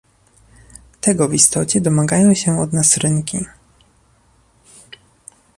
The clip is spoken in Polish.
Tego w istocie domagają się od nas rynki